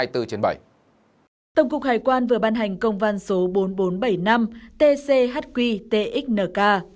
tổng cục hải quan vừa ban hành công van số bốn nghìn bốn trăm bảy mươi năm tchq txnk